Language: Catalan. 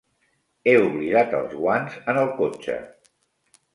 He oblidat els guants en el cotxe.